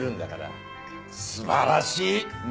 素晴らしい！